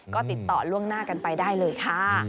ก็ติดต่อล่วงหน้ากันไปได้เลยค่ะ